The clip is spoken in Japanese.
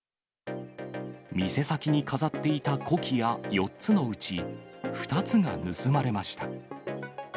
店先に飾っていたコキア、４つのうち、２つが盗まれました。